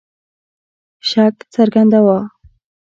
شک څرګنداوه.